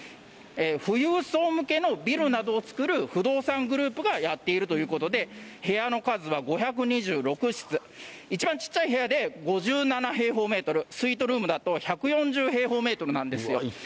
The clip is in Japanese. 富裕層向けのビルなどを造る不動産グループがやっているということで、部屋の数は５２６室、一番小さい部屋で５７平方メートル、スイートルームだと１４０平方メートルなんですよ。